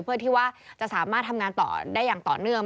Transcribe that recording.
เพื่อที่ว่าจะสามารถทำงานต่อได้อย่างต่อเนื่อง